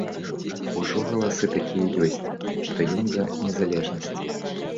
Ужо галасы такія ёсць, што ён за незалежнасць.